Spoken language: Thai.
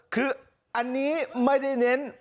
คืออันนี้ไม่ได้เน้น